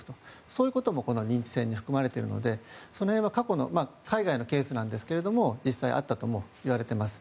そういうことも認知戦に含まれているのでその辺は海外のケースなんですが実際あったともいわれています。